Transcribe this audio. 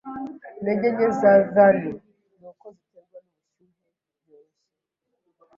Intege nke za vinyl nuko ziterwa nubushyuhe byoroshye.